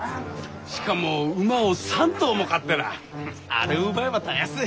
しかも馬を３頭も飼ってらああれを奪えばたやすい。